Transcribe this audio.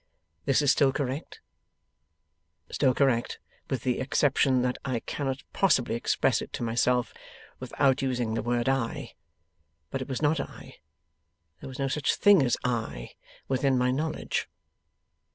'This is still correct? Still correct, with the exception that I cannot possibly express it to myself without using the word I. But it was not I. There was no such thing as I, within my knowledge.